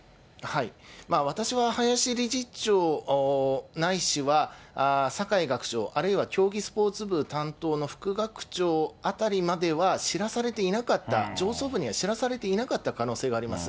私は林理事長、ないしは酒井学長、あるいは競技スポーツ部担当の副学長あたりまでは知らされていなかった、上層部には知らされていなかった可能性があります。